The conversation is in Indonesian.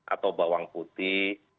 atau bawang putih